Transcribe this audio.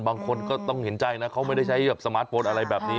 บางคนก็ต้องเห็นใจนะเขาไม่ได้ใช้แบบสมาร์ทโฟนอะไรแบบนี้